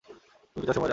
তুমি কি চাও সে মরে যাক?